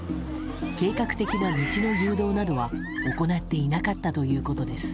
計画的な道の誘導などは行っていなかったということです。